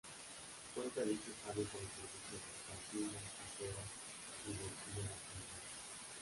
Cuenta dicho estadio con los servicios de: cantina, aseos y de megafonía.